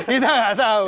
kita nggak tahu